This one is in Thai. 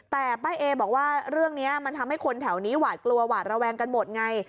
แต่ป้าเอบอกว่าเรื่องนี้มันทำให้คนแถวนี้หวาดกลัวหวาดระแวงกันหมดไง